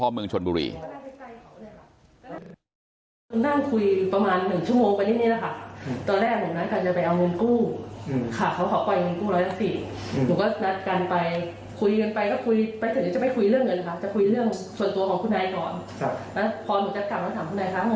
แล้วเหมือนมีดมันอยู่ข้างตัวเขาค่ะเป็นมีดอะไรเลยมีบอกว่ามันไม่ได้แน่ค่ะ